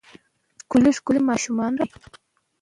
ښکلې ، ښکلې ماشومانې راوړي